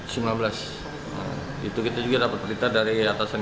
pertelitian dari yang akan diperlihatkan